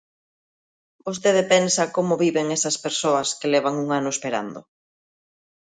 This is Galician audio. ¿Vostede pensa como viven esas persoas que levan un ano esperando?